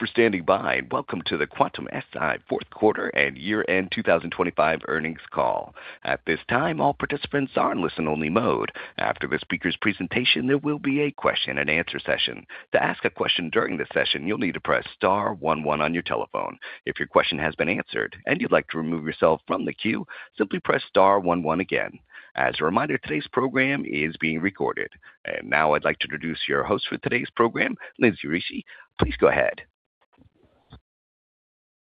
Thank you for standing by. Welcome to the Quantum-Si Fourth Quarter and Year-end 2025 Earnings Call. At this time, all participants are in listen-only mode. After the speaker's presentation, there will be a question and answer session. To ask a question during the session, you'll need to press star one one on your telephone. If your question has been answered and you'd like to remove yourself from the queue, simply press star one one again. As a reminder, today's program is being recorded. Now I'd like to introduce your host for today's program, Lauren Ricci. Please go ahead.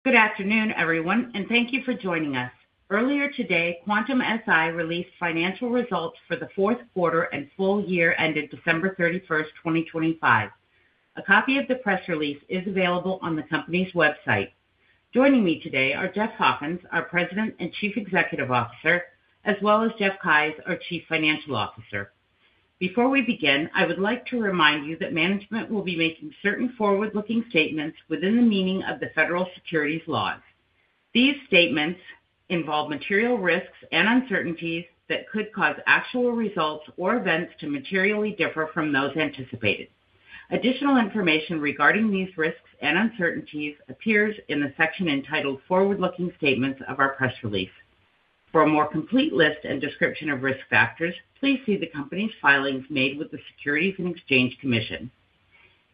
Good afternoon, everyone, and thank you for joining us. Earlier today, Quantum-Si released Financial Results for the Fourth Quarter and Full Year ended December 31, 2025. A copy of the press release is available on the company's website. Joining me today are Jeff Hawkins, our President and Chief Executive Officer, as well as Jeff Keyes, our Chief Financial Officer. Before we begin, I would like to remind you that management will be making certain forward-looking statements within the meaning of the federal securities laws. These statements involve material risks and uncertainties that could cause actual results or events to materially differ from those anticipated. Additional information regarding these risks and uncertainties appears in the section entitled Forward-Looking Statements of our press release. For a more complete list and description of risk factors, please see the company's filings made with the Securities and Exchange Commission.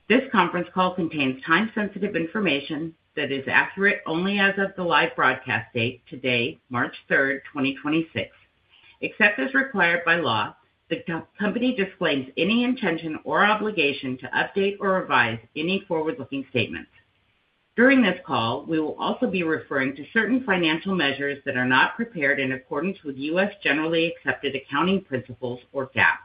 This conference call contains time-sensitive information that is accurate only as of the live broadcast date, today, March 3, 2026. Except as required by law, the company disclaims any intention or obligation to update or revise any forward-looking statements. During this call, we will also be referring to certain financial measures that are not prepared in accordance with U.S. generally accepted accounting principles or GAAP.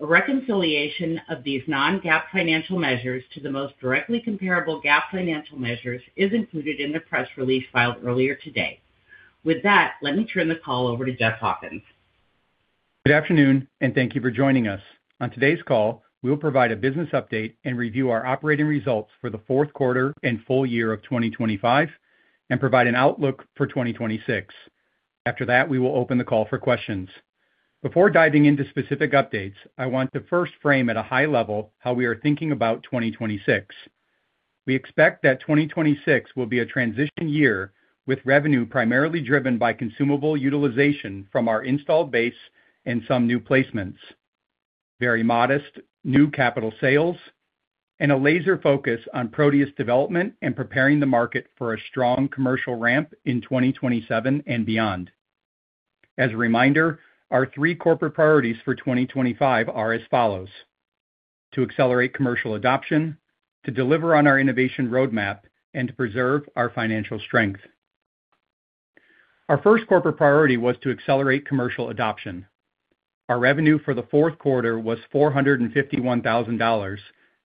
A reconciliation of these non-GAAP financial measures to the most directly comparable GAAP financial measures is included in the press release filed earlier today. With that, let me turn the call over to Jeff Hawkins. Good afternoon, and thank you for joining us. On today's call, we will provide a business update and review our operating results for the fourth quarter and full year of 2025 and provide an outlook for 2026. After that, we will open the call for questions. Before diving into specific updates, I want to first frame at a high level how we are thinking about 2026. We expect that 2026 will be a transition year with revenue primarily driven by consumable utilization from our installed base and some new placements, very modest new capital sales, and a laser focus on Proteus development and preparing the market for a strong commercial ramp in 2027 and beyond. As a reminder, our three corporate priorities for 2025 are as follows: to accelerate commercial adoption, to deliver on our innovation roadmap, and to preserve our financial strength. Our first corporate priority was to accelerate commercial adoption. Our revenue for the fourth quarter was $451,000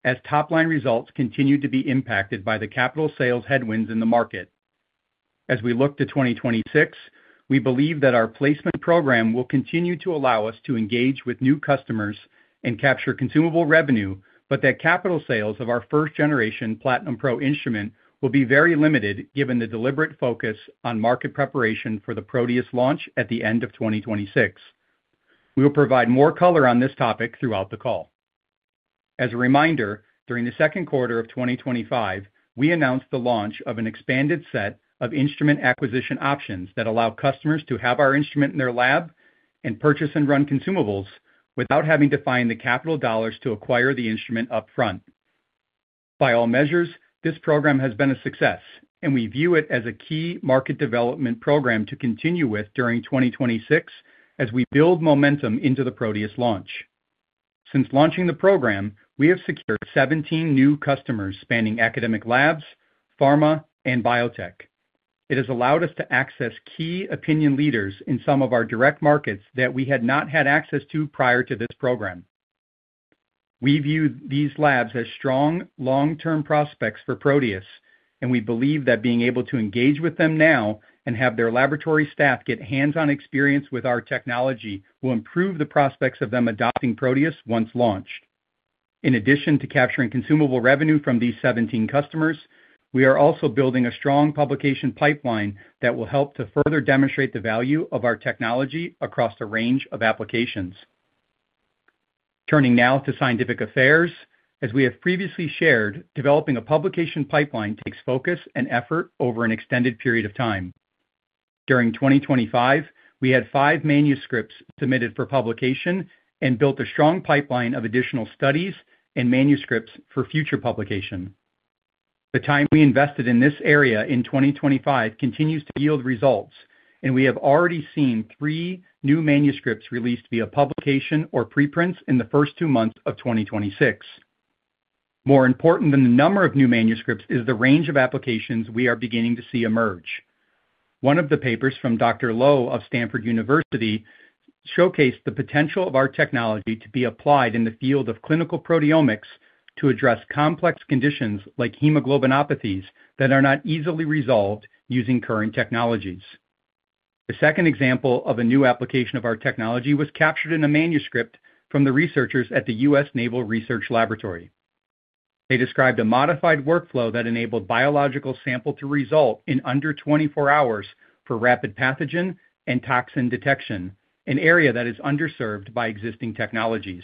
as top-line results continued to be impacted by the capital sales headwinds in the market. As we look to 2026, we believe that our placement program will continue to allow us to engage with new customers and capture consumable revenue, but that capital sales of our first generation Platinum Pro instrument will be very limited given the deliberate focus on market preparation for the Proteus launch at the end of 2026. We will provide more color on this topic throughout the call. As a reminder, during the second quarter of 2025, we announced the launch of an expanded set of instrument acquisition options that allow customers to have our instrument in their lab and purchase and run consumables without having to find the capital dollars to acquire the instrument upfront. By all measures, this program has been a success, and we view it as a key market development program to continue with during 2026 as we build momentum into the Proteus launch. Since launching the program, we have secured 17 new customers spanning academic labs, pharma, and biotech. It has allowed us to access key opinion leaders in some of our direct markets that we had not had access to prior to this program. We view these labs as strong long-term prospects for Proteus. We believe that being able to engage with them now and have their laboratory staff get hands-on experience with our technology will improve the prospects of them adopting Proteus once launched. In addition to capturing consumable revenue from these 17 customers, we are also building a strong publication pipeline that will help to further demonstrate the value of our technology across a range of applications. Turning now to scientific affairs. As we have previously shared, developing a publication pipeline takes focus and effort over an extended period of time. During 2025, we had 5 manuscripts submitted for publication and built a strong pipeline of additional studies and manuscripts for future publication. The time we invested in this area in 2025 continues to yield results. We have already seen three new manuscripts released via publication or preprints in the first two months of 2026. More important than the number of new manuscripts is the range of applications we are beginning to see emerge. One of the papers from Dr. Lo of Stanford University showcased the potential of our technology to be applied in the field of clinical proteomics to address complex conditions like hemoglobinopathies that are not easily resolved using current technologies. The second example of a new application of our technology was captured in a manuscript from the researchers at the U.S. Naval Research Laboratory. They described a modified workflow that enabled biological sample to result in under 24 hours for rapid pathogen and toxin detection, an area that is underserved by existing technologies.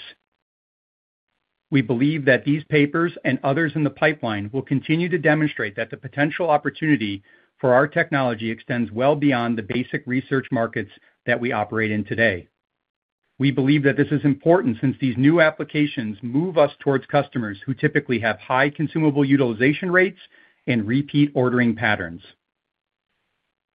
We believe that these papers and others in the pipeline will continue to demonstrate that the potential opportunity for our technology extends well beyond the basic research markets that we operate in today. We believe that this is important since these new applications move us towards customers who typically have high consumable utilization rates and repeat ordering patterns.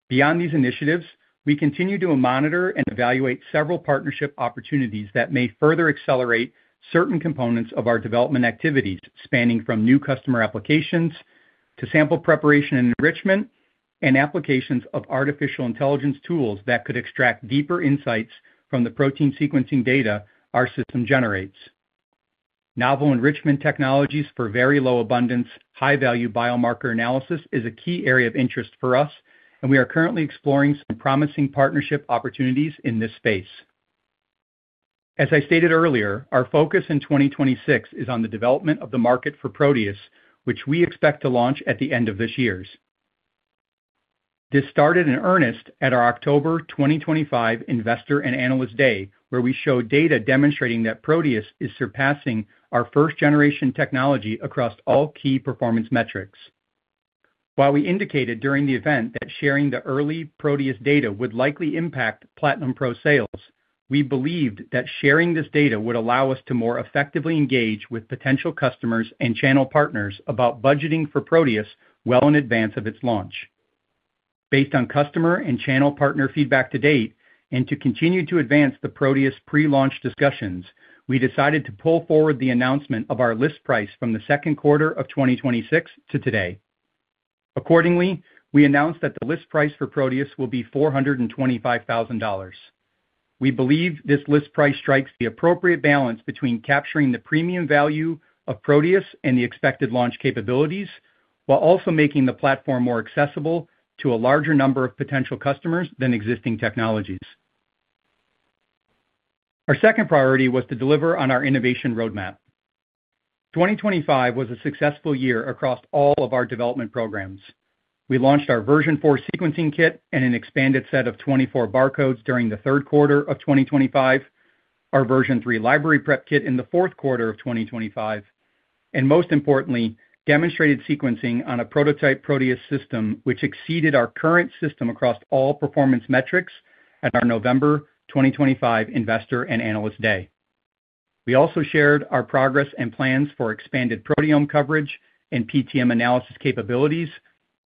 Beyond these initiatives, we continue to monitor and evaluate several partnership opportunities that may further accelerate certain components of our development activities, spanning from new customer applications to sample preparation and enrichment, and applications of artificial intelligence tools that could extract deeper insights from the protein sequencing data our system generates. Novel enrichment technologies for very low abundance, high value biomarker analysis is a key area of interest for us, and we are currently exploring some promising partnership opportunities in this space. As I stated earlier, our focus in 2026 is on the development of the market for Proteus, which we expect to launch at the end of this year. This started in earnest at our October 2025 Investor and Analyst Day, where we showed data demonstrating that Proteus is surpassing our first generation technology across all key performance metrics. While we indicated during the event that sharing the early Proteus data would likely impact Platinum Pro sales, we believed that sharing this data would allow us to more effectively engage with potential customers and channel partners about budgeting for Proteus well in advance of its launch. Based on customer and channel partner feedback to date, and to continue to advance the Proteus pre-launch discussions, we decided to pull forward the announcement of our list price from the second quarter of 2026 to today. Accordingly, we announced that the list price for Proteus will be $425,000. We believe this list price strikes the appropriate balance between capturing the premium value of Proteus and the expected launch capabilities, while also making the platform more accessible to a larger number of potential customers than existing technologies. Our second priority was to deliver on our innovation roadmap. 2025 was a successful year across all of our development programs. We launched our Version 4 Sequencing Kit and an expanded set of 24 barcodes during the third quarter of 2025, our Version 3 Library Preparation Kit in the fourth quarter of 2025, and most importantly, demonstrated sequencing on a prototype Proteus system, which exceeded our current system across all performance metrics at our November 2025 Investor and Analyst Day. We also shared our progress and plans for expanded proteome coverage and PTM analysis capabilities,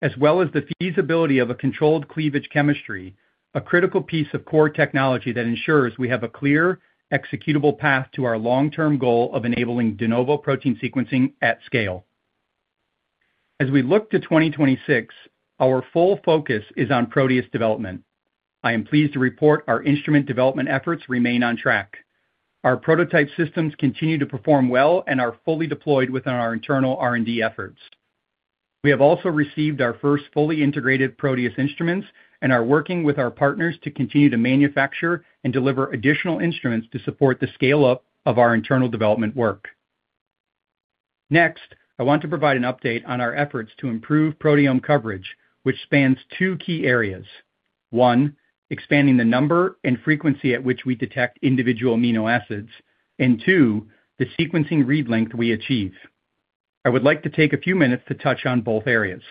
as well as the feasibility of a controlled cleavage chemistry, a critical piece of core technology that ensures we have a clear executable path to our long-term goal of enabling de novo protein sequencing at scale. As we look to 2026, our full focus is on Proteus development. I am pleased to report our instrument development efforts remain on track. Our prototype systems continue to perform well and are fully deployed within our internal R&D efforts. We have also received our first fully integrated Proteus instruments and are working with our partners to continue to manufacture and deliver additional instruments to support the scale-up of our internal development work. I want to provide an update on our efforts to improve proteome coverage, which spans two key areas. One, expanding the number and frequency at which we detect individual amino acids. Two, the sequencing read length we achieve. I would like to take a few minutes to touch on both areas.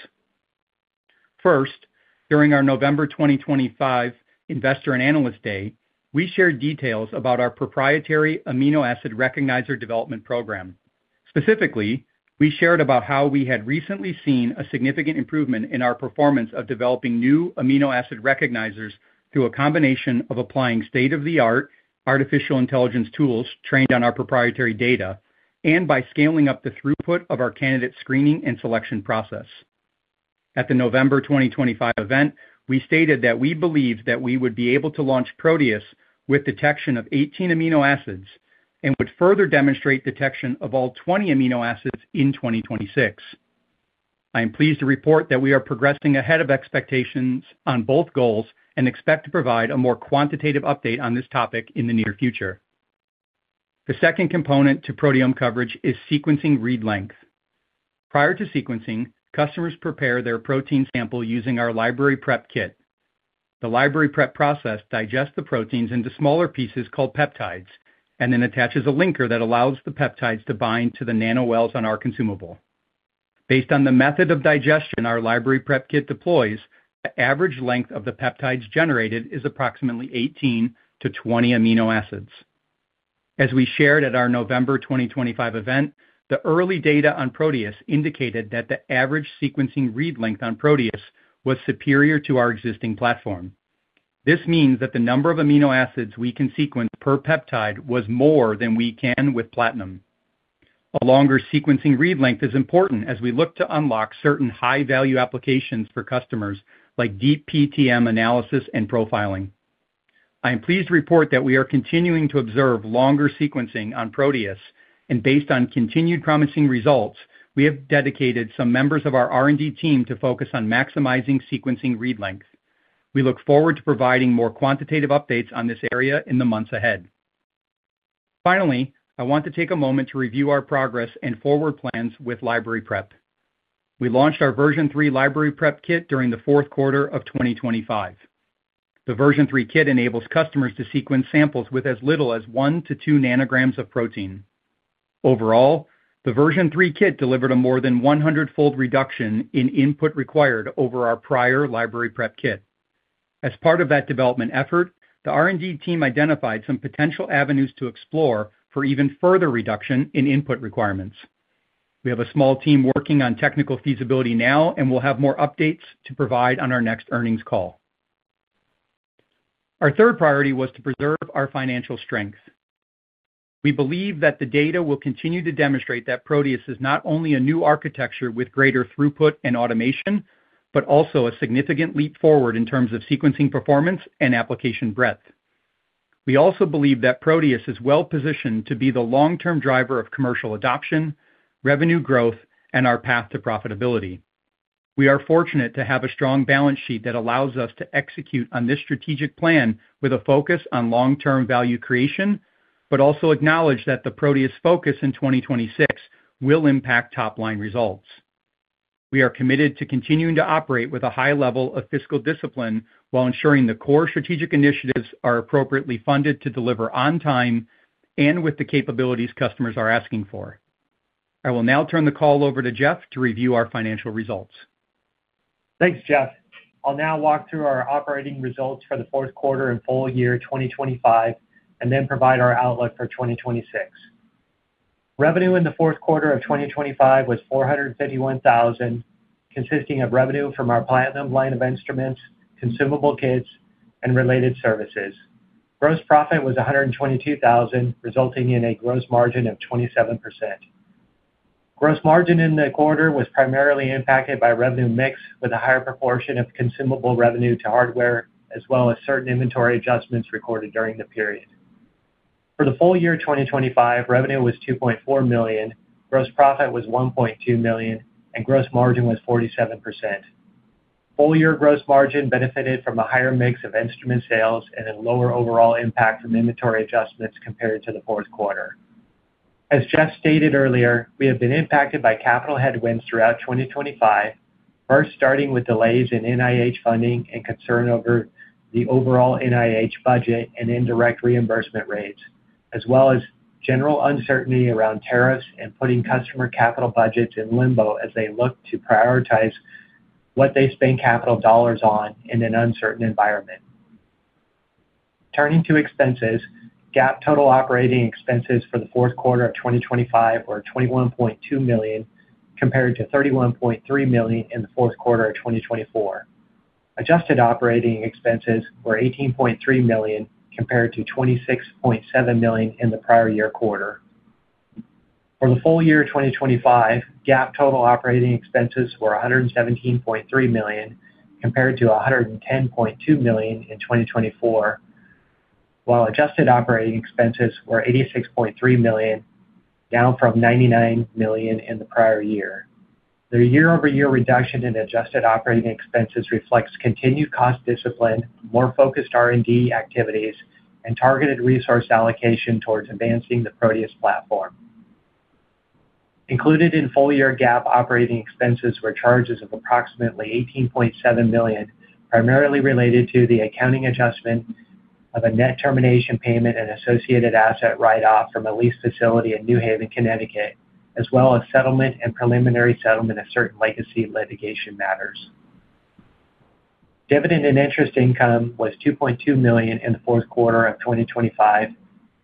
First, during our November 2025 Investor and Analyst Day, we shared details about our proprietary amino acid recognizer development program. Specifically, we shared about how we had recently seen a significant improvement in our performance of developing new amino acid recognizers through a combination of applying state-of-the-art artificial intelligence tools trained on our proprietary data, and by scaling up the throughput of our candidate screening and selection process. At the November 2025 event, we stated that we believed that we would be able to launch Proteus with detection of 18 amino acids and would further demonstrate detection of all 20 amino acids in 2026. I am pleased to report that we are progressing ahead of expectations on both goals and expect to provide a more quantitative update on this topic in the near future. The second component to proteome coverage is sequencing read length. Prior to sequencing, customers prepare their protein sample using our library prep kit. The library prep process digests the proteins into smaller pieces called peptides, and then attaches a linker that allows the peptides to bind to the nanowells on our consumable. Based on the method of digestion our library prep kit deploys, the average length of the peptides generated is approximately 18-20 amino acids. As we shared at our November 2025 event, the early data on Proteus indicated that the average sequencing read length on Proteus was superior to our existing platform. This means that the number of amino acids we can sequence per peptide was more than we can with Platinum. A longer sequencing read length is important as we look to unlock certain high value applications for customers, like deep PTM analysis and profiling. I am pleased to report that we are continuing to observe longer sequencing on Proteus. Based on continued promising results, we have dedicated some members of our R&D team to focus on maximizing sequencing read length. We look forward to providing more quantitative updates on this area in the months ahead. I want to take a moment to review our progress and forward plans with library prep. We launched our Version 3 library prep kit during the fourth quarter of 2025. The Version 3 kit enables customers to sequence samples with as little as 1-2 nanograms of protein. The Version 3 kit delivered a more than 100-fold reduction in input required over our prior library prep kit. As part of that development effort, the R&D team identified some potential avenues to explore for even further reduction in input requirements. We have a small team working on technical feasibility now. We'll have more updates to provide on our next earnings call. Our third priority was to preserve our financial strength. We believe that the data will continue to demonstrate that Proteus is not only a new architecture with greater throughput and automation, but also a significant leap forward in terms of sequencing performance and application breadth. We also believe that Proteus is well-positioned to be the long-term driver of commercial adoption, revenue growth, and our path to profitability. We are fortunate to have a strong balance sheet that allows us to execute on this strategic plan with a focus on long-term value creation, also acknowledge that the Proteus focus in 2026 will impact top-line results. We are committed to continuing to operate with a high level of fiscal discipline while ensuring the core strategic initiatives are appropriately funded to deliver on time and with the capabilities customers are asking for. I will now turn the call over to Jeff to review our financial results. Thanks, Jeff. I'll now walk through our operating results for the fourth quarter and full year 2025, then provide our outlook for 2026. Revenue in the fourth quarter of 2025 was $451,000, consisting of revenue from our Platinum line of instruments, consumable kits, and related services. Gross profit was $122,000, resulting in a gross margin of 27%. Gross margin in the quarter was primarily impacted by revenue mix with a higher proportion of consumable revenue to hardware, as well as certain inventory adjustments recorded during the period. For the full year 2025, revenue was $2.4 million, gross profit was $1.2 million, gross margin was 47%. Full year gross margin benefited from a higher mix of instrument sales and a lower overall impact from inventory adjustments compared to the fourth quarter. As Jeff stated earlier, we have been impacted by capital headwinds throughout 2025, first starting with delays in NIH funding and concern over the overall NIH budget and indirect reimbursement rates, as well as general uncertainty around tariffs and putting customer capital budgets in limbo as they look to prioritize what they spend capital dollars on in an uncertain environment. Turning to expenses, GAAP total operating expenses for the fourth quarter of 2025 were $21.2 million, compared to $31.3 million in the fourth quarter of 2024. Adjusted operating expenses were $18.3 million compared to $26.7 million in the prior year quarter. For the full year 2025, GAAP total operating expenses were $117.3 million, compared to $110.2 million in 2024, while adjusted operating expenses were $86.3 million, down from $99 million in the prior year. The year-over-year reduction in adjusted operating expenses reflects continued cost discipline, more focused R&D activities, and targeted resource allocation towards advancing the Proteus platform. Included in full year GAAP operating expenses were charges of approximately $18.7 million, primarily related to the accounting adjustment of a net termination payment and associated asset write-off from a leased facility in New Haven, Connecticut, as well as settlement and preliminary settlement of certain legacy litigation matters. Dividend and interest income was $2.2 million in the fourth quarter of 2025,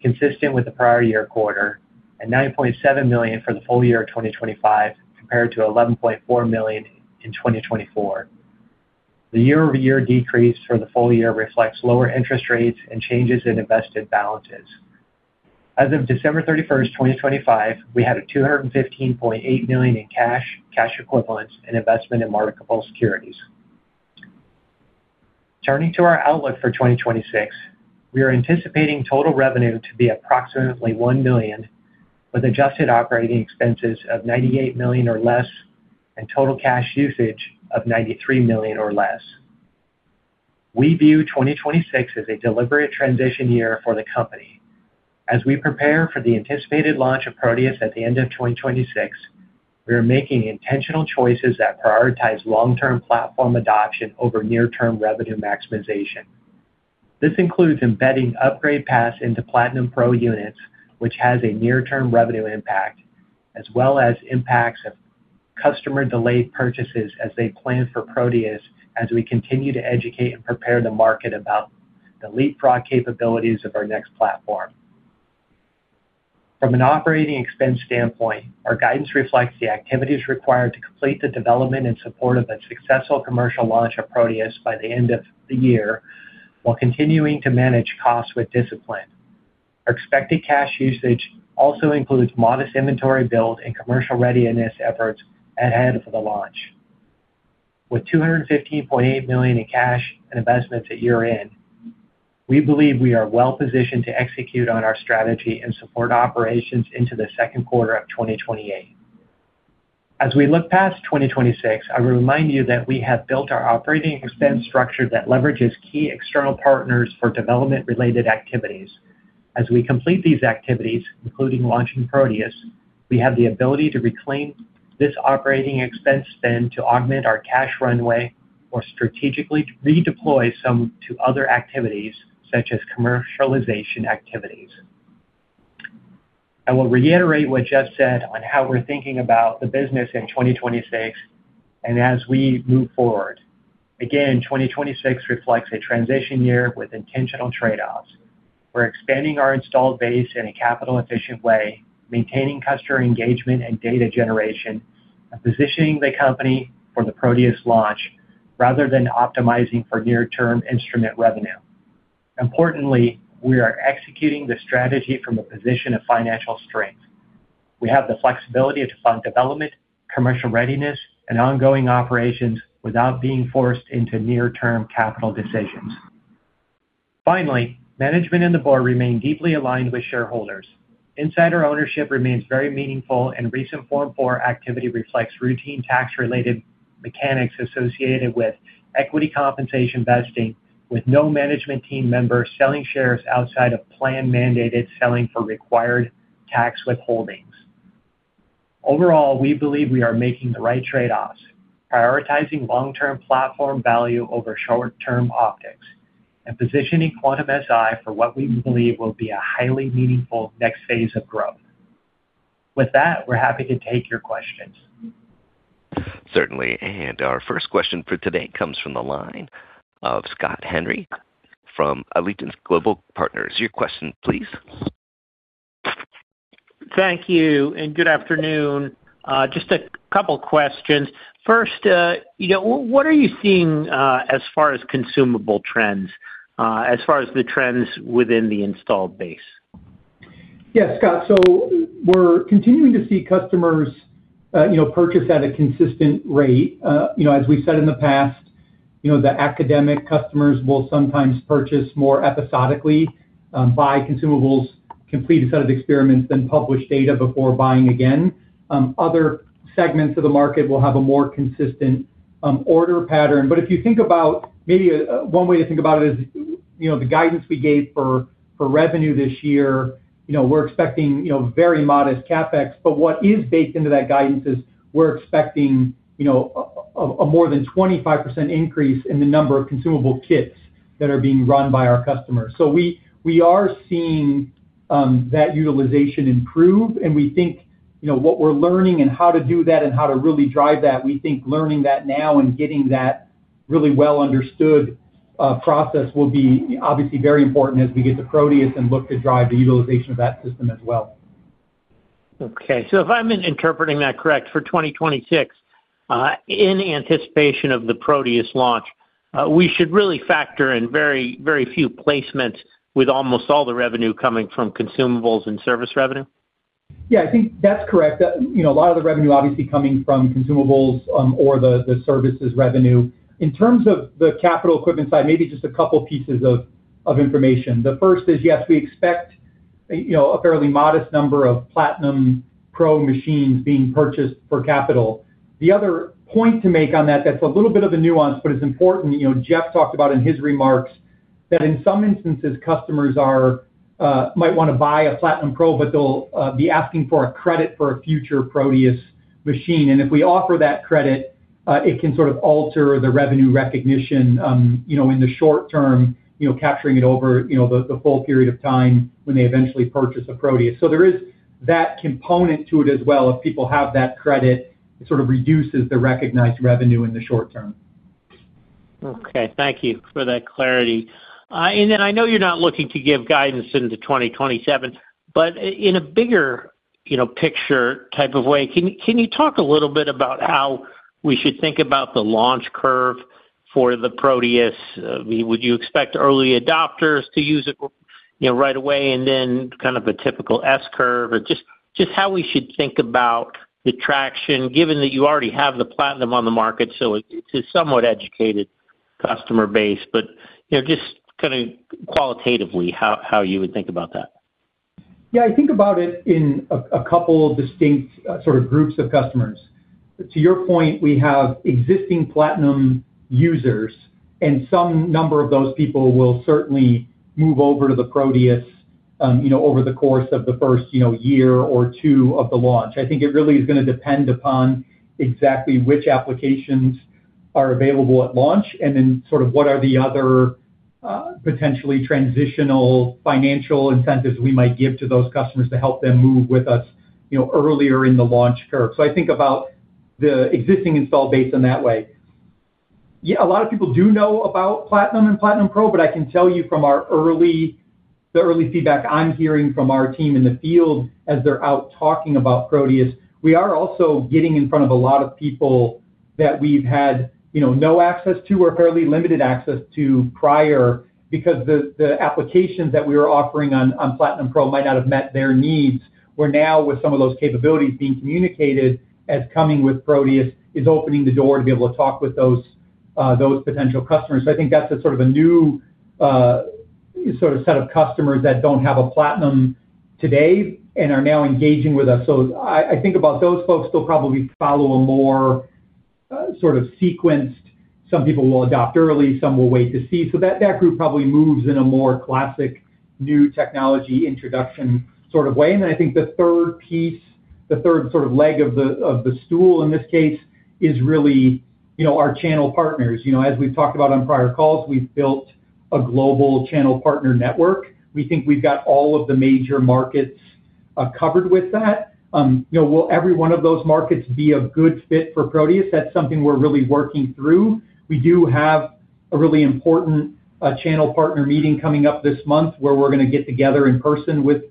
consistent with the prior year quarter, and $9.7 million for the full year of 2025, compared to $11.4 million in 2024. The year-over-year decrease for the full year reflects lower interest rates and changes in invested balances. As of December 31st, 2025, we had $215.8 million in cash equivalents and investment in marketable securities. Turning to our outlook for 2026, we are anticipating total revenue to be approximately $1 million, with adjusted operating expenses of $98 million or less, and total cash usage of $93 million or less. We view 2026 as a deliberate transition year for the company. As we prepare for the anticipated launch of Proteus at the end of 2026, we are making intentional choices that prioritize long-term platform adoption over near-term revenue maximization. This includes embedding upgrade paths into Platinum Pro units, which has a near-term revenue impact, as well as impacts of customer delayed purchases as they plan for Proteus as we continue to educate and prepare the market about the leapfrog capabilities of our next platform. From an operating expense standpoint, our guidance reflects the activities required to complete the development and support of a successful commercial launch of Proteus by the end of the year while continuing to manage costs with discipline. Our expected cash usage also includes modest inventory build and commercial readiness efforts ahead of the launch. With $215.8 million in cash and investments at year-end, we believe we are well positioned to execute on our strategy and support operations into the second quarter of 2028. As we look past 2026, I remind you that we have built our operating expense structure that leverages key external partners for development-related activities. As we complete these activities, including launching Proteus, we have the ability to reclaim this OpEx spend to augment our cash runway or strategically redeploy some to other activities, such as commercialization activities. I will reiterate what Jeff said on how we're thinking about the business in 2026 and as we move forward. Again, 2026 reflects a transition year with intentional trade-offs. We're expanding our installed base in a capital efficient way, maintaining customer engagement and data generation, and positioning the company for the Proteus launch rather than optimizing for near-term instrument revenue. Importantly, we are executing the strategy from a position of financial strength. We have the flexibility to fund development, commercial readiness, and ongoing operations without being forced into near-term capital decisions. Finally, management and the board remain deeply aligned with shareholders. Insider ownership remains very meaningful. Recent Form 4 activity reflects routine tax-related mechanics associated with equity compensation vesting, with no management team members selling shares outside of plan-mandated selling for required tax withholdings. Overall, we believe we are making the right trade-offs, prioritizing long-term platform value over short-term optics and positioning Quantum-Si for what we believe will be a highly meaningful next phase of growth. With that, we're happy to take your questions. Certainly. Our first question for today comes from the line of Scott Henry from Alliance Global Partners. Your question, please. Thank you and good afternoon. Just a couple questions. First, you know, what are you seeing, as far as consumable trends, as far as the trends within the installed base? Yes, Scott. We're continuing to see customers, you know, purchase at a consistent rate. You know, as we said in the past, you know, the academic customers will sometimes purchase more episodically, buy consumables, complete a set of experiments, then publish data before buying again. Other segments of the market will have a more consistent order pattern. If you think about maybe one way to think about it is, you know, the guidance we gave for revenue this year, you know, we're expecting, you know, very modest CapEx. What is baked into that guidance is we're expecting, you know, a more than 25% increase in the number of consumable kits that are being run by our customers. We are seeing, that utilization improve, and we think, you know, what we're learning and how to do that and how to really drive that, we think learning that now and getting that really well understood, process will be obviously very important as we get to Proteus and look to drive the utilization of that system as well. If I'm interpreting that correct, for 2026, in anticipation of the Proteus launch, we should really factor in very, very few placements with almost all the revenue coming from consumables and service revenue. Yeah, I think that's correct. You know, a lot of the revenue obviously coming from consumables, or the services revenue. In terms of the capital equipment side, maybe just a couple pieces of information. The first is, yes, we expect, you know, a fairly modest number of Platinum Pro machines being purchased for capital. The other point to make on that that's a little bit of a nuance, but it's important, you know, Jeff talked about in his remarks that in some instances, customers are might want to buy a Platinum Pro, but they'll be asking for a credit for a future Proteus machine. If we offer that credit, it can sort of alter the revenue recognition, you know, in the short term, you know, capturing it over the full period of time when they eventually purchase a Proteus. There is that component to it as well. If people have that credit, it sort of reduces the recognized revenue in the short term. Okay. Thank you for that clarity. I know you're not looking to give guidance into 2027, but in a bigger, you know, picture type of way, can you talk a little bit about how we should think about the launch curve for the Proteus? I mean, would you expect early adopters to use it, you know, right away and then kind of a typical S curve? Just how we should think about the traction given that you already have the Platinum on the market, so it's a somewhat educated customer base, but, you know, just kind of qualitatively how you would think about that. I think about it in a couple distinct sort of groups of customers. To your point, we have existing Platinum users, and some number of those people will certainly move over to the Proteus, you know, over the course of the 1st, you know, year or 2 of the launch. I think it really is going to depend upon exactly which applications are available at launch and then sort of what are the other potentially transitional financial incentives we might give to those customers to help them move with us, you know, earlier in the launch curve. I think about the existing install base in that way. A lot of people do know about Platinum and Platinum Pro, but I can tell you the early feedback I'm hearing from our team in the field as they're out talking about Proteus, we are also getting in front of a lot of people that we've had, you know, no access to or fairly limited access to prior because the applications that we were offering on Platinum Pro might not have met their needs. Where now with some of those capabilities being communicated as coming with Proteus is opening the door to be able to talk with those potential customers. I think that's a sort of a new sort of set of customers that don't have a Platinum today and are now engaging with us. I think about those folks, they'll probably follow a more sort of sequenced. Some people will adopt early, some will wait to see. That group probably moves in a more classic new technology introduction sort of way. I think the third piece, the third sort of leg of the stool in this case is really, you know, our channel partners. You know, as we've talked about on prior calls, we've built a global channel partner network. We think we've got all of the major markets covered with that. You know, will every one of those markets be a good fit for Proteus? That's something we're really working through. We do have a really important channel partner meeting coming up this month where we're gonna get together in person with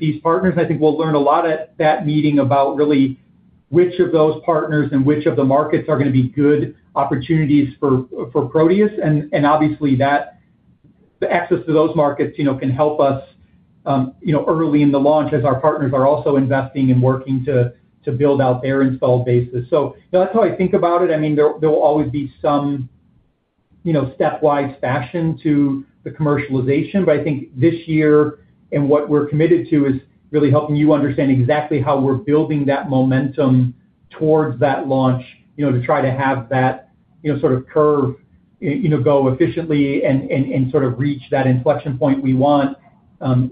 these partners. I think we'll learn a lot at that meeting about really which of those partners and which of the markets are gonna be good opportunities for Proteus, and obviously that the access to those markets, you know, can help us, you know, early in the launch as our partners are also investing and working to build out their installed basis. That's how I think about it. I mean, there will always be some, you know, stepwise fashion to the commercialization. I think this year and what we're committed to is really helping you understand exactly how we're building that momentum towards that launch, you know, to try to have that, you know, sort of curve, you know, go efficiently and sort of reach that inflection point we want,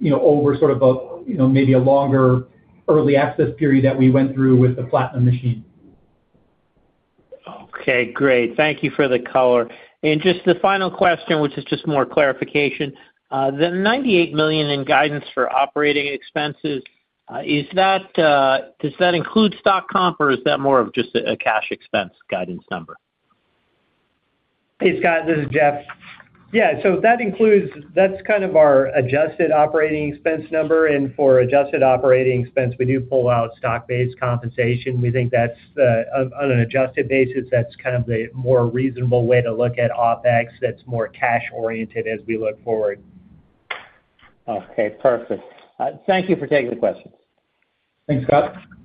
you know, over sort of a, you know, maybe a longer early access period that we went through with the Platinum machine. Okay, great. Thank you for the color. Just the final question, which is just more clarification. The $98 million in guidance for operating expenses, is that, does that include stock comp, or is that more of just a cash expense guidance number? Hey, Scott, this is Jeff. Yeah, that's kind of our adjusted operating expense number. For adjusted operating expense, we do pull out stock-based compensation. We think that's on an adjusted basis, that's kind of the more reasonable way to look at OpEx that's more cash oriented as we look forward. Okay, perfect. Thank you for taking the questions. Thanks, Scott. Thank you.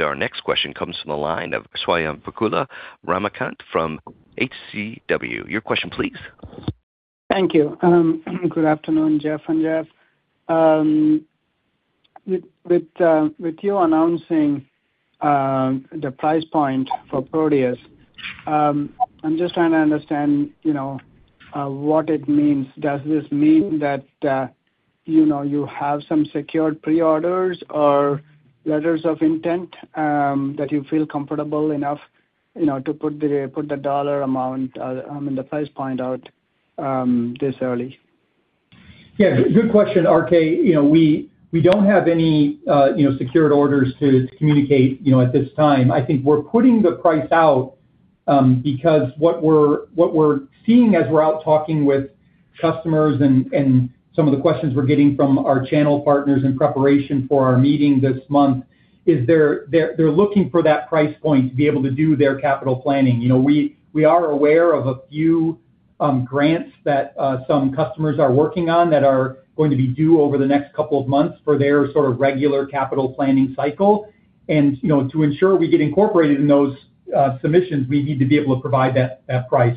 Our next question comes from the line of Swayampakula Ramakanth from HCW. Your question please. Thank you. Good afternoon, Jeff and Jeff. With, with you announcing the price point for Proteus, I'm just trying to understand, you know, what it means. Does this mean that, you know, you have some secured pre-orders or letters of intent, that you feel comfortable enough, you know, to put the, put the dollar amount, and the price point out, this early? Yeah, good question, RK. You know, we don't have any, you know, secured orders to communicate, you know, at this time. I think we're putting the price out because what we're seeing as we're out talking with customers and some of the questions we're getting from our channel partners in preparation for our meeting this month is they're looking for that price point to be able to do their capital planning. You know, we are aware of a few grants that some customers are working on that are going to be due over the next couple of months for their sort of regular capital planning cycle. You know, to ensure we get incorporated in those submissions, we need to be able to provide that price.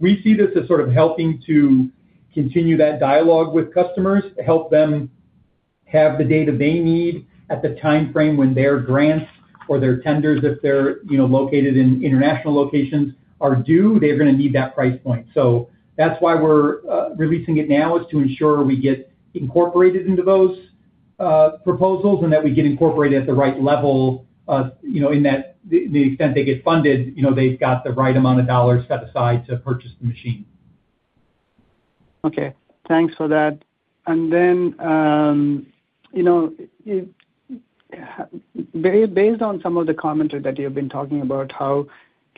We see this as sort of helping to continue that dialogue with customers to help them have the data they need at the timeframe when their grants or their tenders, if they're, you know, located in international locations, are due, they're gonna need that price point. That's why we're releasing it now, is to ensure we get incorporated into those proposals and that we get incorporated at the right level, you know, in that the extent they get funded, you know, they've got the right amount of dollars set aside to purchase the machine. Thanks for that. Then, you know, Based on some of the commentary that you've been talking about how,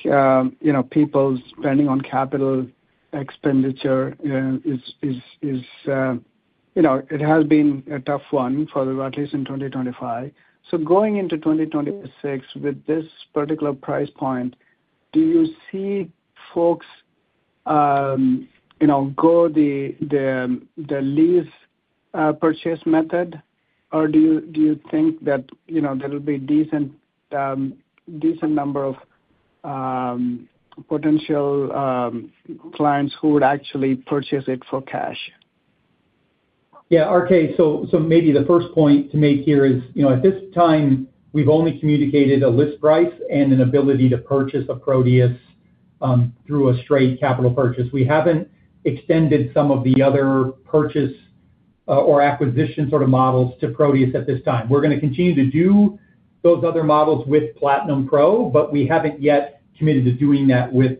you know, people spending on capital expenditure is, you know, it has been a tough one for at least in 2025. Going into 2026 with this particular price point, do you see folks, you know, go the lease purchase method? Do you think that, you know, there will be decent number of potential clients who would actually purchase it for cash? Yeah. RK, maybe the first point to make here is, you know, at this time, we've only communicated a list price and an ability to purchase a Proteus through a straight capital purchase. We haven't extended some of the other purchase or acquisition sort of models to Proteus at this time. We're gonna continue to do those other models with Platinum Pro, but we haven't yet committed to doing that with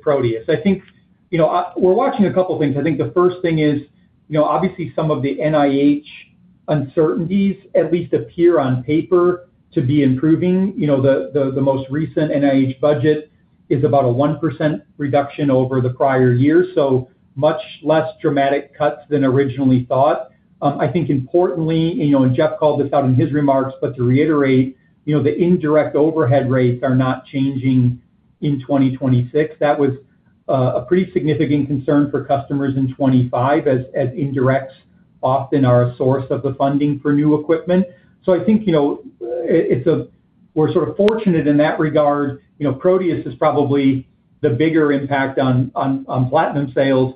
Proteus. I think, you know, we're watching a couple of things. I think the first thing is, you know, obviously some of the NIH uncertainties at least appear on paper to be improving. You know, the most recent NIH budget is about a 1% reduction over the prior year, so much less dramatic cuts than originally thought. I think importantly, you know, Jeff called this out in his remarks, to reiterate, you know, the indirect overhead rates are not changing in 2026. That was a pretty significant concern for customers in 25 as indirects often are a source of the funding for new equipment. I think, you know, we're sort of fortunate in that regard. You know, Proteus is probably the bigger impact on Platinum sales.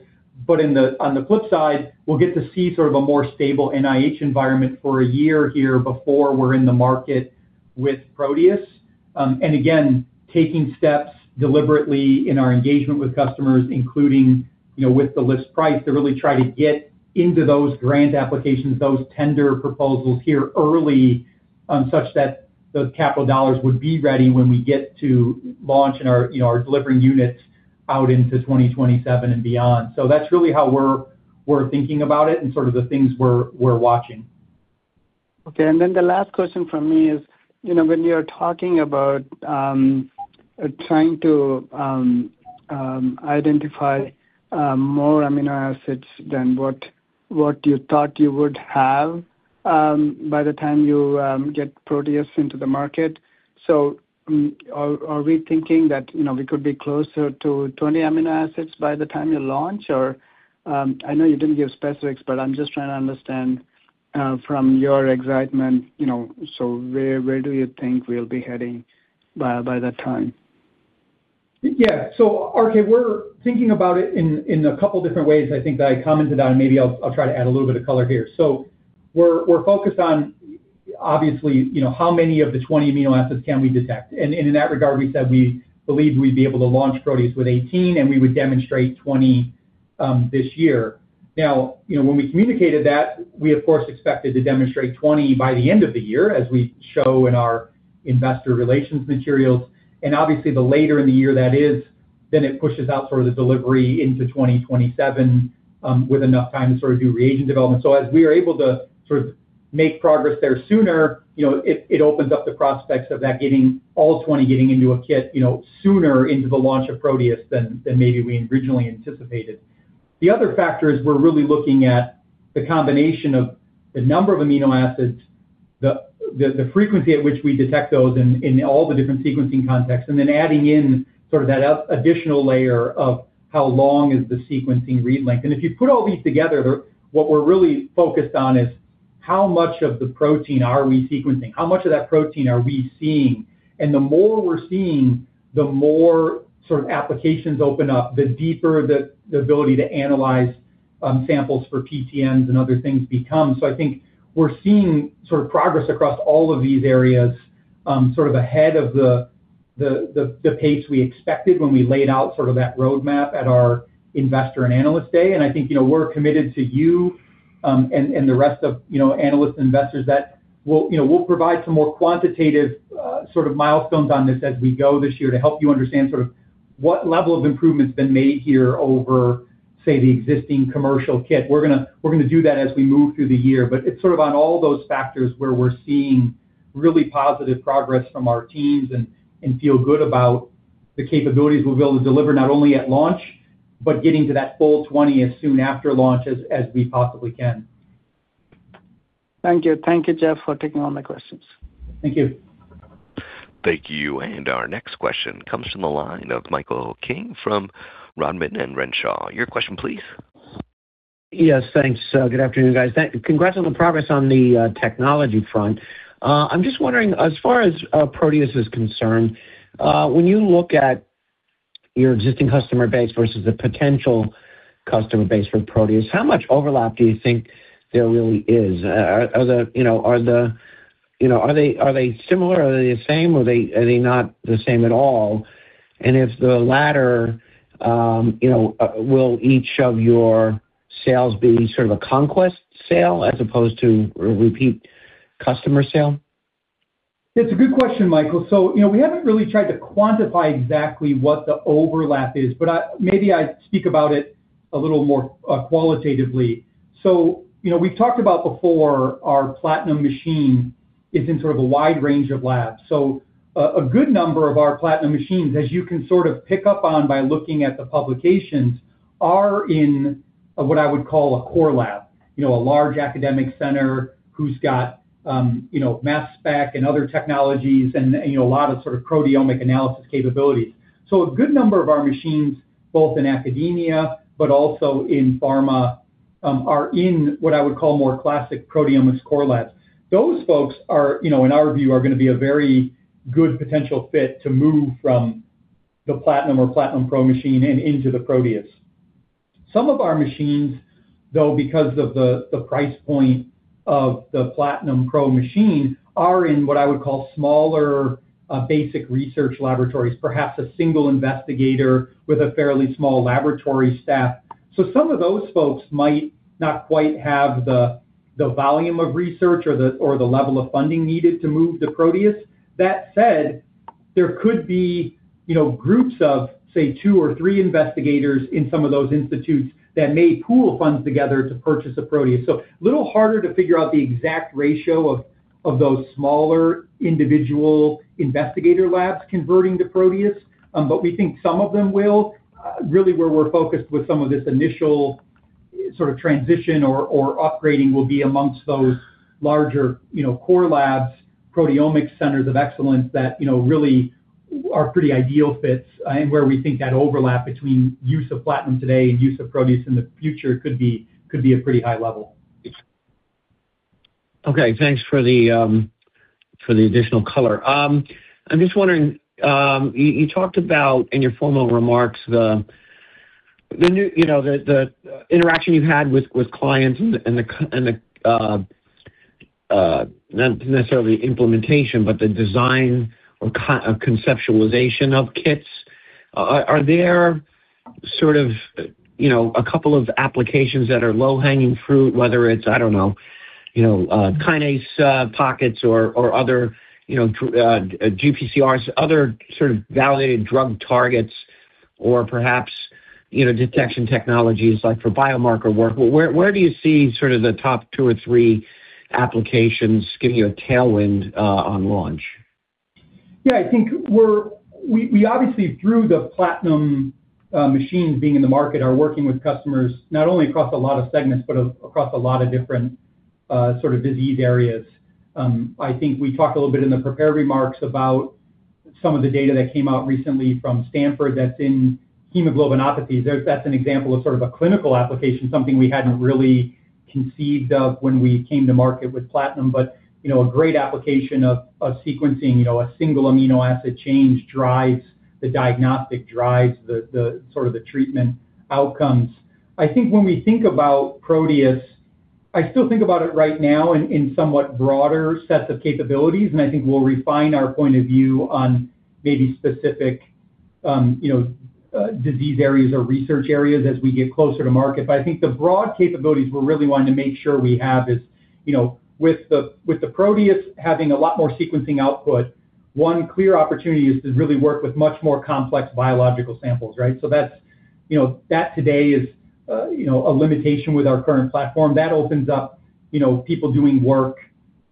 On the flip side, we'll get to see sort of a more stable NIH environment for a year here before we're in the market with Proteus. Again, taking steps deliberately in our engagement with customers, including, you know, with the list price, to really try to get into those grant applications, those tender proposals here early, such that those capital dollars would be ready when we get to launch in our, you know, our delivering units out into 2027 and beyond. That's really how we're thinking about it and sort of the things we're watching. The last question from me is, you know, when you're talking about, trying to identify more amino acids than what you thought you would have, by the time you get Proteus into the market. Are we thinking that, you know, we could be closer to 20 amino acids by the time you launch, or I know you didn't give specifics, but I'm just trying to understand, from your excitement, you know, where do you think we'll be heading by that time? Yeah. RK, we're thinking about it in a couple different ways I think that I commented on, and maybe I'll try to add a little bit of color here. We're focused on obviously, you know, how many of the 20 amino acids can we detect? In that regard, we said we believed we'd be able to launch Proteus with 18, and we would demonstrate 20 this year. Now, you know, when we communicated that, we of course expected to demonstrate 20 by the end of the year, as we show in our investor relations materials. Obviously the later in the year that is, then it pushes out sort of the delivery into 2027 with enough time to sort of do reagent development. As we are able to sort of make progress there sooner, you know, it opens up the prospects of that getting all 20 getting into a kit, you know, sooner into the launch of Proteus than maybe we originally anticipated. The other factor is we're really looking at the combination of the number of amino acids, the, the frequency at which we detect those in all the different sequencing contexts, and then adding in sort of that additional layer of how long is the sequencing read length. If you put all these together, what we're really focused on is how much of the protein are we sequencing? How much of that protein are we seeing? The more we're seeing, the more sort of applications open up, the deeper the ability to analyze samples for PTMs and other things become. I think we're seeing sort of progress across all of these areas, sort of ahead of the pace we expected when we laid out sort of that roadmap at our Investor and Analyst Day. I think, you know, we'll committed to you, and the rest of, you know, analysts and investors that we'll, you know, we'll provide some more quantitative, sort of milestones on this as we go this year to help you understand sort of what level of improvement's been made here over, say, the existing commercial kit. We're gonna do that as we move through the year, but it's sort of on all those factors where we're seeing really positive progress from our teams and feel good about the capabilities we'll be able to deliver not only at launch, but getting to that full 20 as soon after launch as we possibly can. Thank you. Thank you, Jeff, for taking all my questions. Thank you. Thank you. Our next question comes from the line of Michael King from Rodman & Renshaw. Your question, please. Yes, thanks. Good afternoon, guys. Congrats on the progress on the technology front. I'm just wondering, as far as Proteus is concerned, when you look at your existing customer base versus the potential customer base for Proteus, how much overlap do you think there really is? Are the, you know, are they similar? Are they the same? Are they, are they not the same at all? If the latter, you know, will each of your sales be sort of a conquest sale as opposed to a repeat customer sale? It's a good question, Michael. You know, we haven't really tried to quantify exactly what the overlap is, but maybe I'd speak about it a little more qualitatively. You know, we've talked about before our Platinum machine is in sort of a wide range of labs. A good number of our Platinum machines, as you can sort of pick up on by looking at the publications, are in what I would call a core lab, you know, a large academic center who's got, you know, mass spec and other technologies and, you know, a lot of sort of proteomic analysis capabilities. A good number of our machines, both in academia but also in pharma, are in what I would call more classic proteomics core labs. Those folks are, you know, in our view, are gonna be a very good potential fit to move from the Platinum or Platinum Pro machine and into the Proteus. Some of our machines, though, because of the price point of the Platinum Pro machine, are in what I would call smaller, basic research laboratories, perhaps a single investigator with a fairly small laboratory staff. Some of those folks might not quite have the volume of research or the level of funding needed to move to Proteus. That said, there could be, you know, groups of, say, two or three investigators in some of those institutes that may pool funds together to purchase a Proteus. A little harder to figure out the exact ratio of those smaller individual investigator labs converting to Proteus, but we think some of them will. Really, where we're focused with some of this initial sort of transition or upgrading will be amongst those larger, you know, core labs, proteomics centers of excellence that, you know, really are pretty ideal fits and where we think that overlap between use of Platinum today and use of Proteus in the future could be a pretty high level. Okay, thanks for the for the additional color. I'm just wondering, you talked about in your formal remarks the, you know, the interaction you had with clients and the, and the not necessarily implementation, but the design or conceptualization of kits. Are there sort of, you know, a couple of applications that are low-hanging fruit, whether it's, I don't know, you know, kinase pockets or other, you know, GPCRs, other sort of validated drug targets or perhaps, you know, detection technologies like for biomarker work? Where do you see sort of the top two or three applications giving you a tailwind on launch? Yeah, I think we obviously through the Platinum machines being in the market are working with customers not only across a lot of segments, but across a lot of different sort of disease areas. I think we talked a little bit in the prepared remarks about some of the data that came out recently from Stanford that's in hemoglobinopathies. That's an example of sort of a clinical application, something we hadn't really conceived of when we came to market with Platinum, but, you know, a great application of sequencing, you know, a single amino acid change drives the diagnostic, drives the sort of the treatment outcomes. I think when we think about Proteus, I still think about it right now in somewhat broader sets of capabilities, and I think we'll refine our point of view on maybe specific, you know, disease areas or research areas as we get closer to market. I think the broad capabilities we're really wanting to make sure we have is, you know, with the Proteus having a lot more sequencing output, one clear opportunity is to really work with much more complex biological samples, right? That's, you know, that today is, you know, a limitation with our current platform. That opens up, you know, people doing work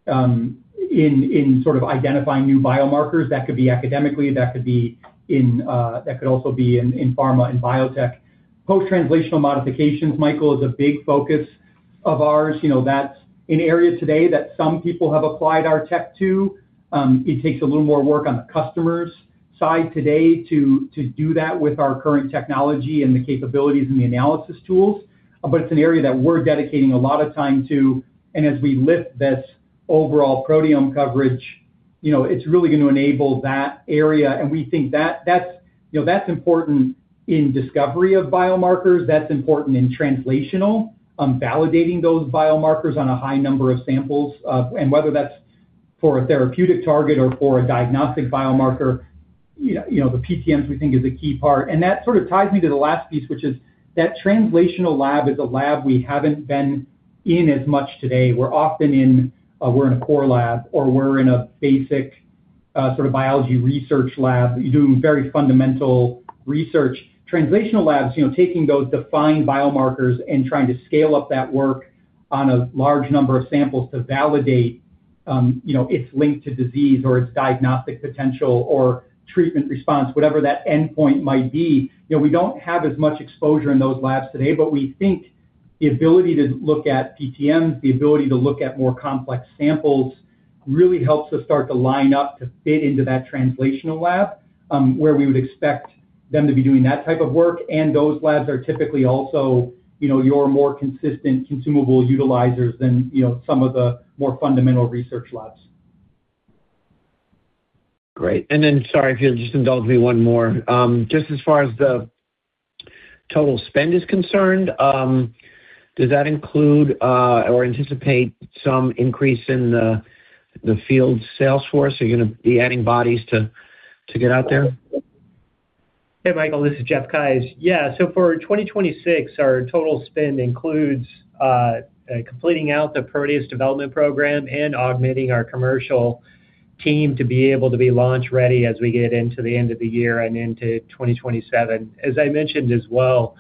in sort of identifying new biomarkers. That could be academically, that could be in, that could also be in pharma and biotech. Post-translational modifications, Michael, is a big focus of ours. You know, that's an area today that some people have applied our tech to. It takes a little more work on the customer's side today to do that with our current technology and the capabilities and the analysis tools. It's an area that we're dedicating a lot of time to. As we lift this overall proteome coverage, you know, it's really gonna enable that area. We think that's, you know, that's important in discovery of biomarkers. That's important in translational, validating those biomarkers on a high number of samples. Whether that's for a therapeutic target or for a diagnostic biomarker, you know, the PTMs, we think, is a key part. That sort of ties me to the last piece, which is that translational lab is a lab we haven't been in as much today. We're often in, we're in a core lab or we're in a basic, sort of biology research lab. You're doing very fundamental research. Translational labs, you know, taking those defined biomarkers and trying to scale up that work on a large number of samples to validate, you know, it's linked to disease or its diagnostic potential or treatment response, whatever that endpoint might be. You know, we don't have as much exposure in those labs today, but we think the ability to look at PTMs, the ability to look at more complex samples really helps us start to line up to fit into that translational lab, where we would expect them to be doing that type of work. Those labs are typically also, you know, your more consistent consumable utilizers than, you know, some of the more fundamental research labs. Great. Sorry, if you'll just indulge me one more. Just as far as the total spend is concerned, does that include, or anticipate some increase in the field sales force? Are you gonna be adding bodies to get out there? Hey, Michael, this is Jeff Keyes. For 2026, our total spend includes completing out the Proteus development program and augmenting our commercial team to be able to be launch-ready as we get into the end of the year and into 2027. As I mentioned as well,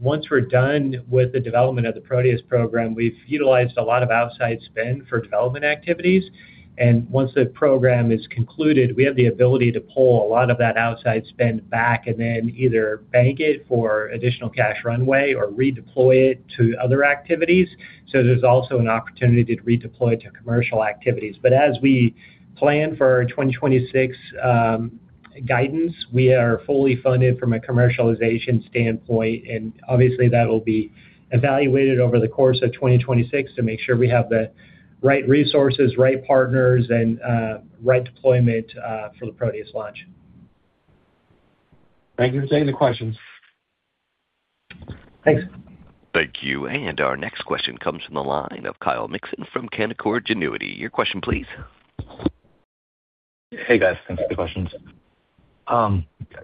once we're done with the development of the Proteus program, we've utilized a lot of outside spend for development activities. Once the program is concluded, we have the ability to pull a lot of that outside spend back and then either bank it for additional cash runway or redeploy it to other activities. There's also an opportunity to redeploy to commercial activities. As we plan for 2026 guidance, we are fully funded from a commercialization standpoint, and obviously that'll be evaluated over the course of 2026 to make sure we have the right resources, right partners and, right deployment, for the Proteus launch. Thank you for taking the questions. Thanks. Thank you. Our next question comes from the line of Kyle Mikson from Canaccord Genuity. Your question please. Hey, guys. Thanks for the questions.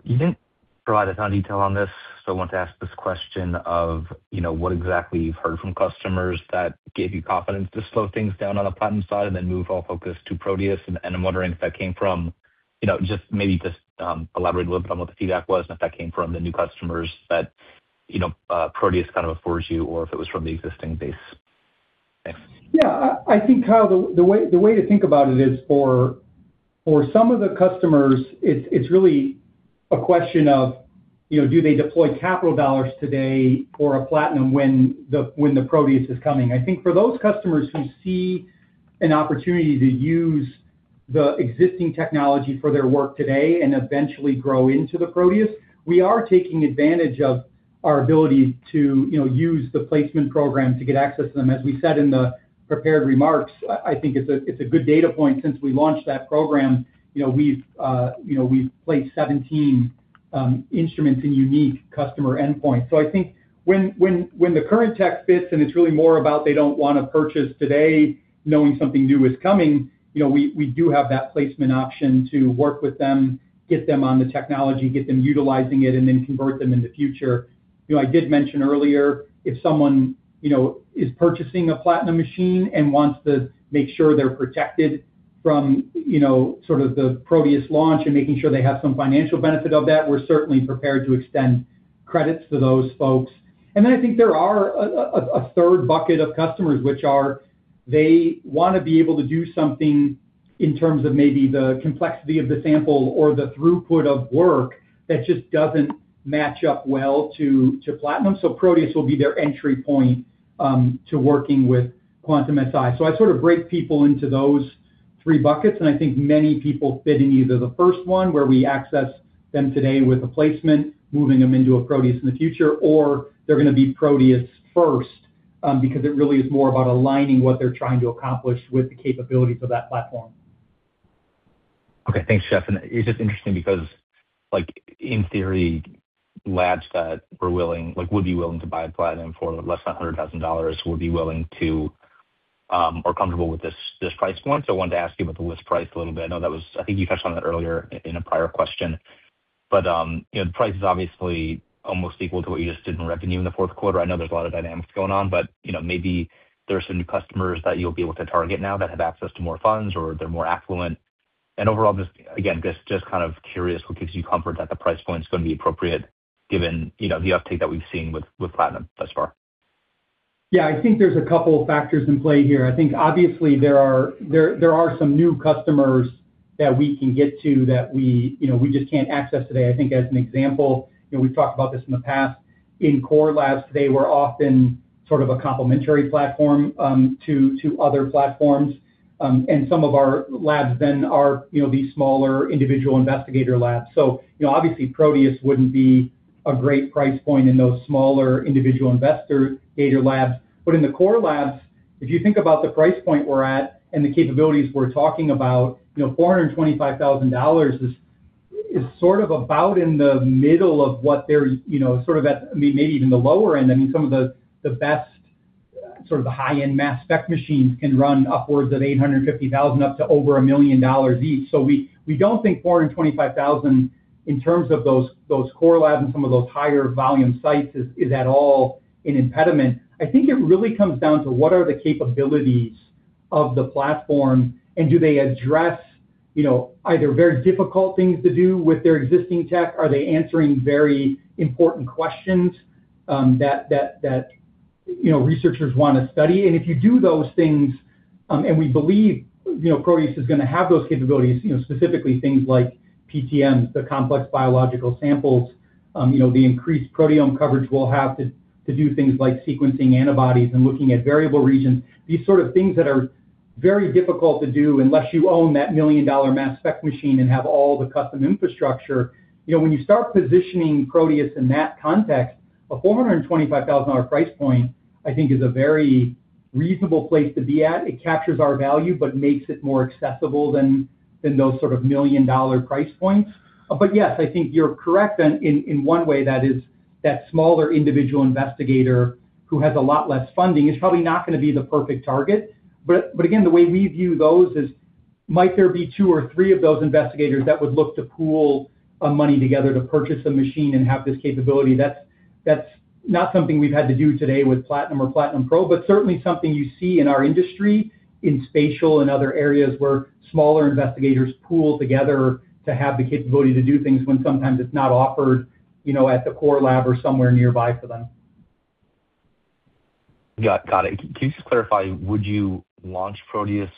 You didn't provide a ton of detail on this, so I want to ask this question of, you know, what exactly you've heard from customers that gave you confidence to slow things down on the Platinum side and then move all focus to Proteus. I'm wondering if that came from, you know, just maybe elaborate a little bit on what the feedback was and if that came from the new customers that, you know, Proteus kind of affords you or if it was from the existing base? Thanks. Yeah. I think, Kyle, the way to think about it is for some of the customers, it's really a question of, you know, do they deploy capital dollars today for a Platinum when the Proteus is coming? I think for those customers who see an opportunity to use the existing technology for their work today and eventually grow into the Proteus, we are taking advantage of our ability to, you know, use the placement program to get access to them. As we said in the prepared remarks, I think it's a good data point since we launched that program. You know, we've placed 17 instruments in unique customer endpoints. I think when the current tech fits and it's really more about they don't want to purchase today knowing something new is coming, you know, we do have that placement option to work with them, get them on the technology, get them utilizing it and then convert them in the future. You know, I did mention earlier, if someone, you know, is purchasing a Platinum machine and wants to make sure they're protected from, you know, sort of the Proteus launch and making sure they have some financial benefit of that, we're certainly prepared to extend credits to those folks. I think there are a third bucket of customers, which are, they want to be able to do something in terms of maybe the complexity of the sample or the throughput of work that just doesn't match up well to Platinum. Proteus will be their entry point to working with Quantum-Si. I sort of break people into those three buckets, and I think many people fit in either the first one, where we access them today with a placement, moving them into a Proteus in the future, or they're going to be Proteus first because it really is more about aligning what they're trying to accomplish with the capabilities of that platform. Okay. Thanks, Jeff. It's just interesting because, like in theory, labs that would be willing to buy a Platinum for less than $100,000 would be willing to, or comfortable with this price point. I wanted to ask you about the list price a little bit. I know I think you touched on that earlier in a prior question. You know, the price is obviously almost equal to what you just did in revenue in the fourth quarter. I know there's a lot of dynamics going on, but, you know, maybe there are some new customers that you'll be able to target now that have access to more funds or they're more affluent. Overall, just again, just kind of curious what gives you comfort that the price point is going to be appropriate given, you know, the uptake that we've seen with Platinum thus far? Yeah, I think there's a couple of factors in play here. I think obviously there are some new customers that we can get to that we, you know, we just can't access today. I think as an example, you know, we've talked about this in the past, in core labs today we're often sort of a complementary platform to other platforms. Some of our labs then are, you know, these smaller individual investigator labs. You know, obviously, Proteus wouldn't be a great price point in those smaller individual investigator labs. In the core labs, if you think about the price point we're at and the capabilities we're talking about, you know, $425,000 is sort of about in the middle of what they're, you know, sort of at maybe even the lower end. I mean, some of the best sort of the high-end mass spec machines can run upwards of $850,000, up to over $1 million each. We, we don't think $425,000 in terms of those core labs and some of those higher volume sites is at all an impediment. It really comes down to what are the capabilities of the platform and do they address, you know, either very difficult things to do with their existing tech? Are they answering very important questions that, you know, researchers want to study? If you do those things, and we believe, you know, Proteus is going to have those capabilities, you know, specifically things like PTMs, the complex biological samples, you know, the increased proteome coverage we'll have to do things like sequencing antibodies and looking at variable regions, these sort of things that are very difficult to do unless you own that $1 million mass spec machine and have all the custom infrastructure. You know, when you start positioning Proteus in that context, a $425,000 price point, I think is a very reasonable place to be at. It captures our value, but makes it more accessible than those sort of $1 million price points. Yes, I think you're correct then in one way that is that smaller individual investigator who has a lot less funding is probably not going to be the perfect target. Again, the way we view those is might there be two or three of those investigators that would look to pool money together to purchase a machine and have this capability? That's not something we've had to do today with Platinum or Platinum Pro, but certainly something you see in our industry in spatial and other areas where smaller investigators pool together to have the capability to do things when sometimes it's not offered, you know, at the core lab or somewhere nearby for them. Got it. Can you just clarify, would you launch Proteus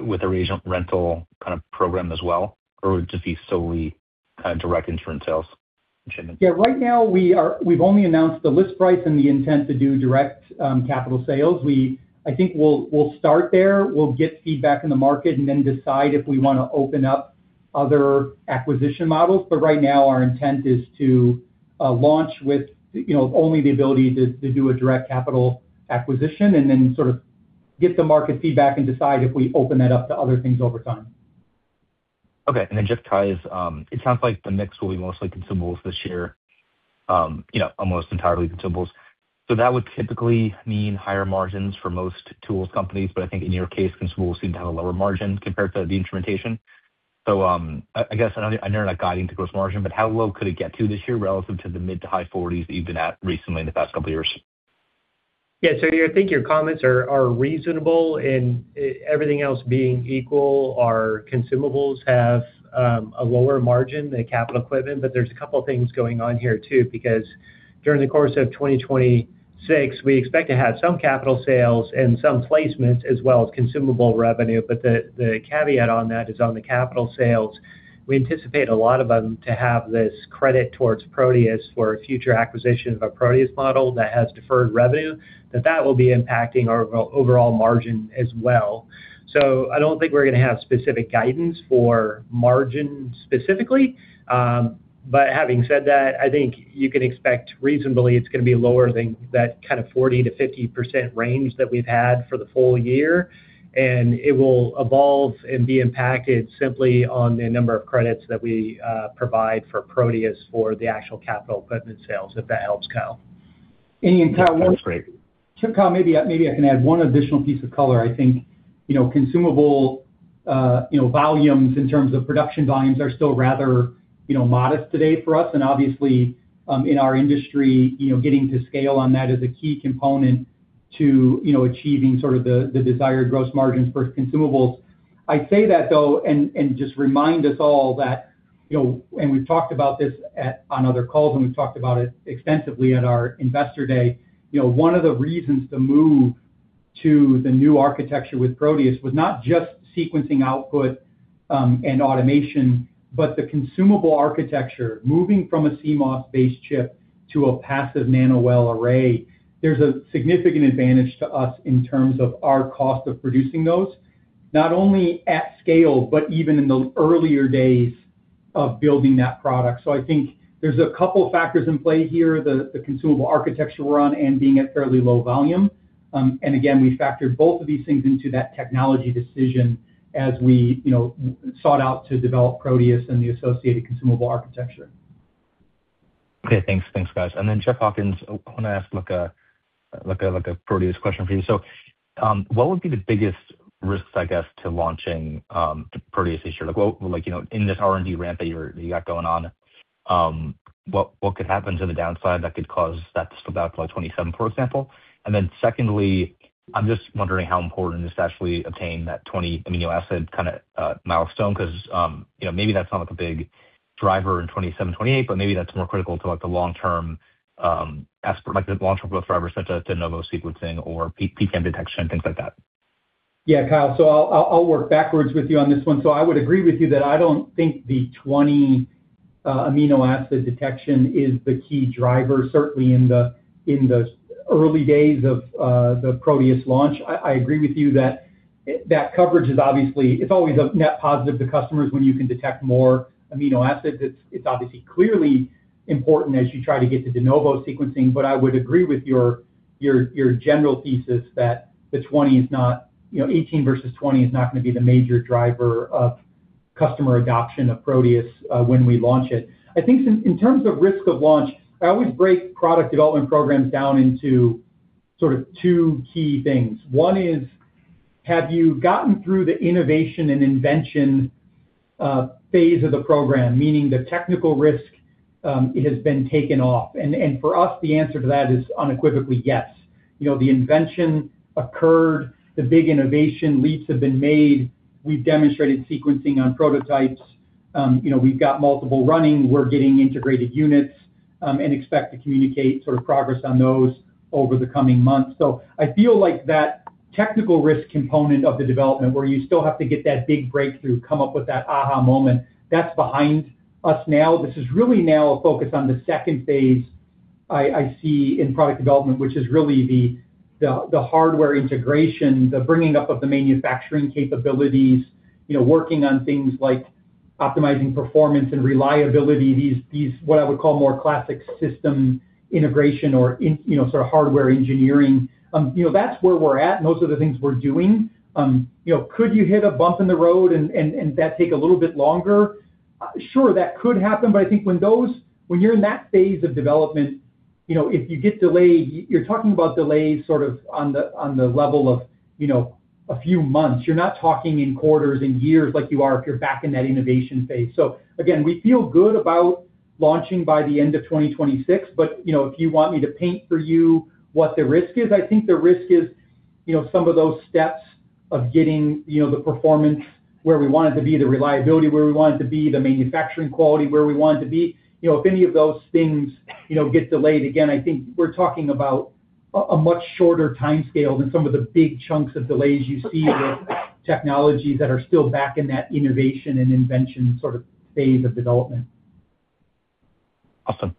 with a regional rental kind of program as well, or would it just be solely kind of direct instrument sales? Yeah. Right now we've only announced the list price and the intent to do direct capital sales. I think we'll start there. We'll get feedback in the market and then decide if we want to open up other acquisition models. Right now our intent is to launch with, you know, only the ability to do a direct capital acquisition and then sort of get the market feedback and decide if we open that up to other things over time. Okay. Just, Kyle, it sounds like the mix will be mostly consumables this year, you know, almost entirely consumables. That would typically mean higher margins for most tools companies. I think in your case, consumables seem to have a lower margin compared to the instrumentation. I guess I know you're not guiding to gross margin, how low could it get to this year relative to the mid to high forties that you've been at recently in the past couple of years? I think your comments are reasonable, everything else being equal, our consumables have a lower margin than capital equipment. There's a couple of things going on here too, because during the course of 2026, we expect to have some capital sales and some placements as well as consumable revenue. The caveat on that is on the capital sales, we anticipate a lot of them to have this credit towards Proteus for future acquisition of a Proteus model that has deferred revenue, that will be impacting our overall margin as well. I don't think we're going to have specific guidance for margin specifically. Having said that, I think you can expect reasonably it's gonna be lower than that kind of 40%-50% range that we've had for the full year, and it will evolve and be impacted simply on the number of credits that we provide for Proteus for the actual capital equipment sales, if that helps, Kyle. Kyle, Yeah, that's great. Sure, Kyle. Maybe I can add one additional piece of color. I think, you know, consumable, you know, volumes in terms of production volumes are still rather, you know, modest today for us. Obviously, in our industry, you know, getting to scale on that is a key component to, you know, achieving sort of the desired gross margins for consumables. I'd say that though, and just remind us all that, you know, we've talked about this on other calls, and we've talked about it extensively at our Investor Day. You know, one of the reasons the move to the new architecture with Proteus was not just sequencing output, and automation, but the consumable architecture, moving from a CMOS-based chip to a passive nanowell array, there's a significant advantage to us in terms of our cost of producing those, not only at scale, but even in the earlier days of building that product. I think there's a couple factors in play here, the consumable architecture we're on and being at fairly low volume. And again, we factored both of these things into that technology decision as we, you know, sought out to develop Proteus and the associated consumable architecture. Okay, thanks. Thanks, guys. Jeff Hawkins, I wanna ask like a, like a, like a Proteus question for you. What would be the biggest risks, I guess, to launching Proteus this year? Like, you know, in this R&D ramp that you're, you got going on, what could happen to the downside that could cause that to slip out to like 2027, for example? Secondly, I'm just wondering how important it is to actually obtain that 20 amino acid kinda milestone, 'cause, you know, maybe that's not like a big driver in 2027, 2028, but maybe that's more critical to like the long term, as per like the long-term growth driver such as de novo sequencing or PTM detection, things like that. Yeah, Kyle, I'll work backwards with you on this one. I would agree with you that I don't think the 20 amino acid detection is the key driver, certainly in the early days of the Proteus launch. I agree with you that coverage is obviously. It's obviously clearly important as you try to get to de novo sequencing. I would agree with your general thesis that the 20 is not, you know, 18 versus 20 is not gonna be the major driver of customer adoption of Proteus when we launch it. I think in terms of risk of launch, I always break product development programs down into sort of two key things. One is, have you gotten through the innovation and invention, phase of the program, meaning the technical risk, has been taken off? For us, the answer to that is unequivocally yes. You know, the invention occurred, the big innovation leaps have been made. We've demonstrated sequencing on prototypes. You know, we've got multiple running. We're getting integrated units, and expect to communicate sort of progress on those over the coming months. I feel like that technical risk component of the development where you still have to get that big breakthrough, come up with that aha moment, that's behind us now. This is really now a focus on the second phase I see in product development, which is really the hardware integration, the bringing up of the manufacturing capabilities, you know, working on things like optimizing performance and reliability. These what I would call more classic system integration or in, you know, sort of hardware engineering. You know, that's where we're at and those are the things we're doing. You know, could you hit a bump in the road and that take a little bit longer? Sure, that could happen, but I think when you're in that phase of development, you know, if you get delayed, you're talking about delays sort of on the, on the level of, you know, a few months. You're not talking in quarters, in years like you are if you're back in that innovation phase. Again, we feel good about launching by the end of 2026. You know, if you want me to paint for you what the risk is, I think the risk is, you know, some of those steps of getting, you know, the performance where we want it to be, the reliability where we want it to be, the manufacturing quality where we want it to be. If any of those things, you know, get delayed, again, I think we're talking about a much shorter timescale than some of the big chunks of delays you see with technologies that are still back in that innovation and invention sort of phase of development. Awesome.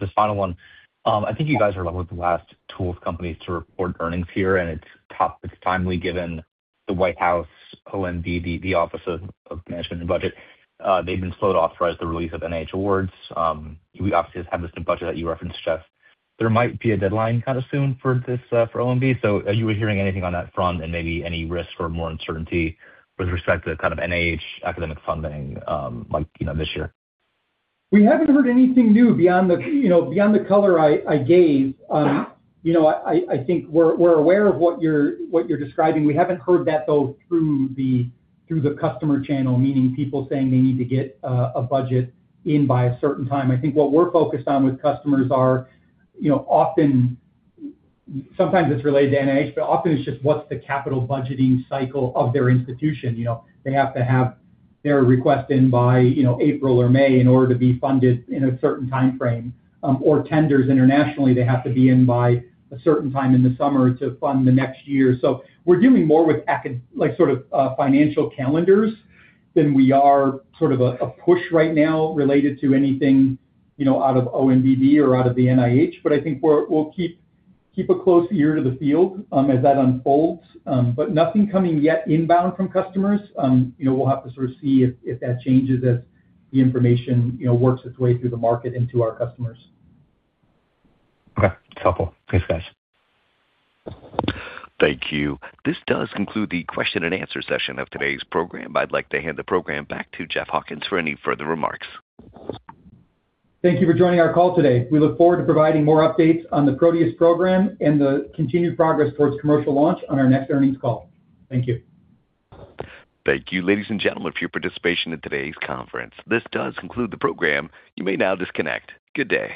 Just final one. I think you guys are like the last tools companies to report earnings here, and it's timely given the White House, OMB, the Office of Management and Budget, they've been slow to authorize the release of NIH awards. We obviously just had this new budget that you referenced, Jeff. There might be a deadline kind of soon for this, for OMB. Are you hearing anything on that front and maybe any risk or more uncertainty with respect to kind of NIH academic funding, like, you know, this year? We haven't heard anything new beyond the, you know, beyond the color I gave. You know, I think we're aware of what you're describing. We haven't heard that though through the customer channel, meaning people saying they need to get a budget in by a certain time. I think what we're focused on with customers are, you know, often. Sometimes it's related to NIH, but often it's just what's the capital budgeting cycle of their institution. You know, they have to have their request in by, you know, April or May in order to be funded in a certain timeframe, or tenders internationally, they have to be in by a certain time in the summer to fund the next year. We're dealing more with financial calendars than we are sort of a push right now related to anything, you know, out of ONBB or out of the NIH. I think we'll keep a close ear to the field as that unfolds. Nothing coming yet inbound from customers. You know, we'll have to sort of see if that changes as the information, you know, works its way through the market and to our customers. Okay. It's helpful. Thanks, guys. Thank you. This does conclude the question and answer session of today's program. I'd like to hand the program back to Jeff Hawkins for any further remarks. Thank you for joining our call today. We look forward to providing more updates on the Proteus program and the continued progress towards commercial launch on our next earnings call. Thank you. Thank you, ladies and gentlemen, for your participation in today's conference. This does conclude the program. You may now disconnect. Good day.